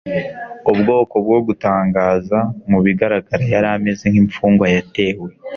ubwoko bwo gutangaza. mu bigaragara, yari ameze nk'imfungwa yatewe